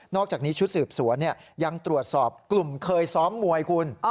อกจากนี้ชุดสืบสวนยังตรวจสอบกลุ่มเคยซ้อมมวยคุณ